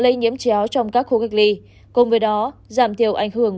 lây nhiễm chéo trong các khu cách ly cùng với đó giảm thiểu ảnh hưởng